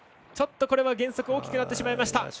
ちょっとこれは減速大きくなってしまいました。